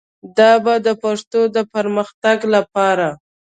دا به د پښتو د پرمختګ لپاره